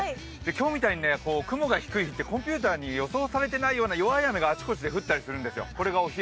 今日みたいに雲が低いとコンピューターに予想されていない弱い雨があちこちで降ったりするんですよ、これがお昼。